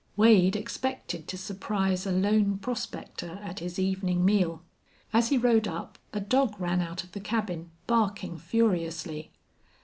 Wade expected to surprise a lone prospector at his evening meal. As he rode up a dog ran out of the cabin, barking furiously.